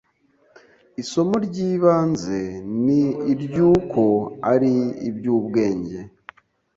Isomo ry’ibanze ni iry’uko ari iby’ubwenge